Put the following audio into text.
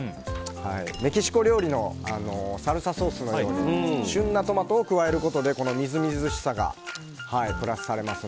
メキシコ料理のサルサソースのように旬なトマトを加えることでみずみずしさがプラスされます。